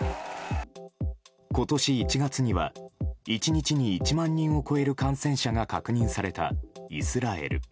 今年１月には１日に１万人を超える感染者が確認されたイスラエル。